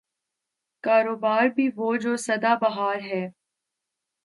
کاروبار بھی وہ جو صدا بہار ہے۔